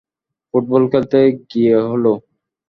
Football খেলতে গিয়ে হলো।